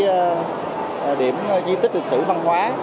các cái điểm duy tích thực sự văn hóa